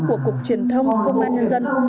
của cục truyền thông công an nhân dân